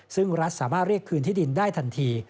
ซึ่งรัฐสามารถเรียกคืนที่ดินได้ทันที